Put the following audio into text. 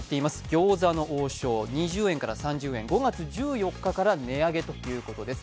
餃子の王将、２０円から３０円５月１４日から値上げということです